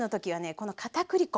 このかたくり粉。